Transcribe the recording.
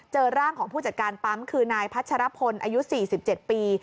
เจอร่างของผู้จัดการปั๊มคือนายพัชรพลอายุ๔๗ปี